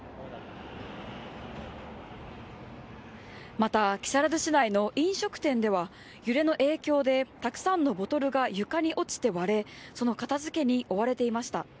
また、木更津市内の飲食店では揺れの影響でたくさんのボトルが床に落ちて割れ、その片づけに追われていました。